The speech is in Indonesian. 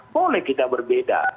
boleh kita berbeda